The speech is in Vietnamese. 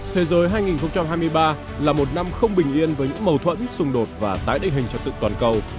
thế giới hai nghìn hai mươi ba là một năm không bình yên với những mâu thuẫn xung đột và tái định hình trật tự toàn cầu